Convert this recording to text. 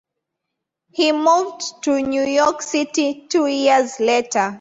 He moved to New York City two years later.